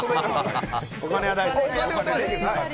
お金は大好きです。